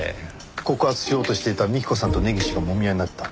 告発しようとしていた幹子さんと根岸がもみ合いになった。